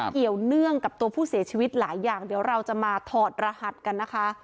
เกี่ยวเนื่องกับตัวผู้เสียชีวิตหลายอย่างเดี๋ยวเราจะมาถอดรหัสกันนะคะ